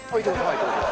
はいどうぞ。